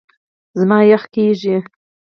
زما یخ کېږي .